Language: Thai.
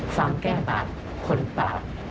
ฟังแก้ปากคนปาก